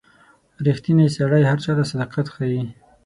• ریښتینی سړی هر چاته صداقت ښيي.